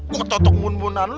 kau tetuk bun bunan lu